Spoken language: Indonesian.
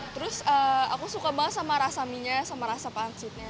terus aku suka banget sama rasa minya sama rasa pancitnya gitu